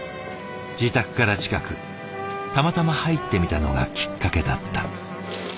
自宅から近くたまたま入ってみたのがきっかけだった。